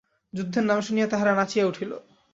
যুদ্ধের নাম শুনিয়া তাহারা নাচিয়া উঠিল।